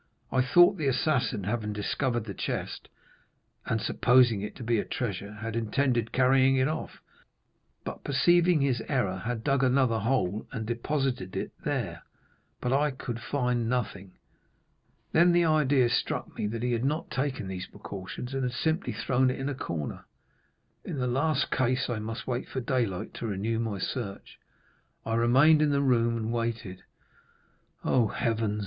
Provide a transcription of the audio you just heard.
I thought the assassin, having discovered the chest, and supposing it to be a treasure, had intended carrying it off, but, perceiving his error, had dug another hole, and deposited it there; but I could find nothing. Then the idea struck me that he had not taken these precautions, and had simply thrown it in a corner. In the last case I must wait for daylight to renew my search. I remained in the room and waited." "Oh, Heaven!"